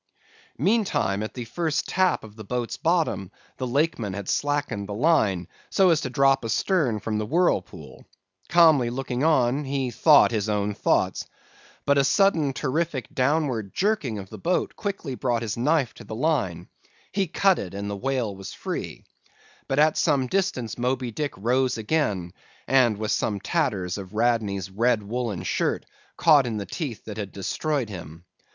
"Meantime, at the first tap of the boat's bottom, the Lakeman had slackened the line, so as to drop astern from the whirlpool; calmly looking on, he thought his own thoughts. But a sudden, terrific, downward jerking of the boat, quickly brought his knife to the line. He cut it; and the whale was free. But, at some distance, Moby Dick rose again, with some tatters of Radney's red woollen shirt, caught in the teeth that had destroyed him.